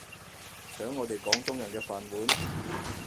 搶我哋廣東人嘅飯碗